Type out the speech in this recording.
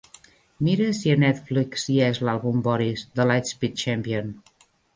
Mira si a Netflix hi és l'àlbum "Boris", de Lightspeed Champion.